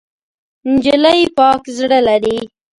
نجلۍ پاک زړه لري.